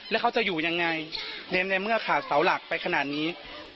แล้วเขาจะอยู่ยังไงในเมื่อขาดเสาหลักไปขนาดนี้